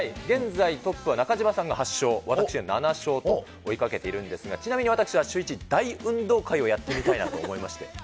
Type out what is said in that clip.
現在、トップは中島さんが８勝、私が７勝と追いかけているんですが、ちなみに、私はシューイチ大運動会をやってみたいなと思いまして。